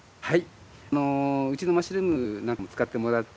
はい。